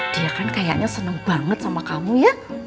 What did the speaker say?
dia kan kayaknya seneng banget sama kamu ya